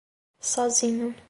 Sozinho